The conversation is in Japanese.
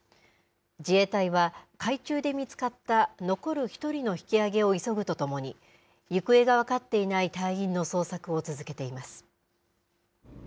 自衛隊は、海中で見つかった残る１人の引き揚げを急ぐとともに、行方が分かっていない隊員の捜索を続けています。